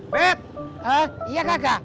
hah iya kakak